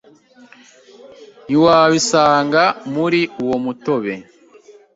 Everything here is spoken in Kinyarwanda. ntiwabisanga muri uwo mutobe